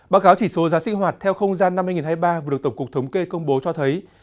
báo cáo chỉ số giá sinh hoạt theo không gian năm hai nghìn hai mươi ba vừa được tổng cục thống kê công bố cho thấy